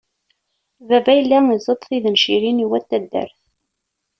Baba yella izeṭṭ tidencin i wat taddart.